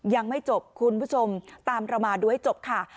ยังไม่จบคุณผู้ชมตามเรามาดูให้จบค่ะ